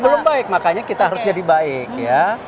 belum baik makanya kita harus jadi baik ya